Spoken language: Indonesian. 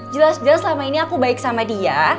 jelas jelas selama ini aku baik sama dia